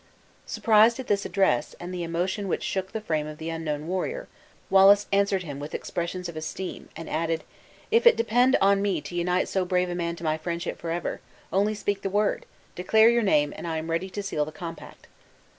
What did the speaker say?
Surprised at this address, and the emotion which shook the frame of the unknown warrior, Wallace answered him with expressions of esteem, and added: "If it depend on me to unite so brave a man to my friendship forever, only speak the word, declare your name, and I am ready to seal the compact."